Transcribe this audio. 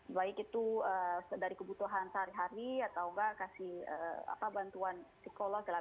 baik itu dari kebutuhan sehari hari atau enggak kasih bantuan psikolog